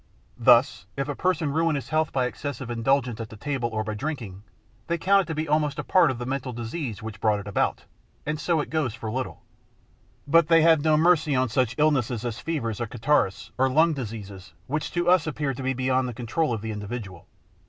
Thus if a person ruin his health by excessive indulgence at the table or by drinking, they count it to be almost a part of the mental disease which brought it about, and so it goes for little, but they have no mercy on such illnesses as fevers or catarrhs or lung diseases, which to us appear to be beyond the control of the individual.